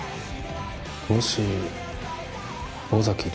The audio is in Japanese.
もし尾崎莉